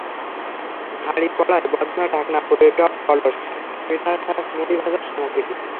হাঁড়ি, কড়াই, বদনা, ঢাকনা, ফুলের টব, কলস, পিঠার ছাঁচ, মুড়ি ভাজার সামগ্রী।